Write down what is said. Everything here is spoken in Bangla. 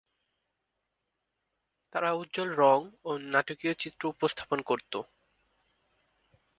তারা উজ্জ্বল রং ও নাটকীয় চিত্র উপস্থাপন করতো।